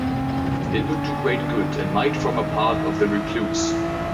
It would do great good, and might form a Part of 'The Recluse'.